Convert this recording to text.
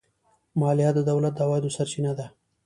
مالیه د دولت د عوایدو سرچینه ده.